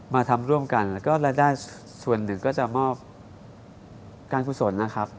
มาทำร่วมกันแล้วก็รายได้ส่วนหนึ่งก็จะมอบการกุศลนะครับ